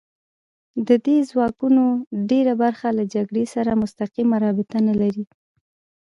د دې ځواکونو ډېره برخه له جګړې سره مستقیمه رابطه نه لري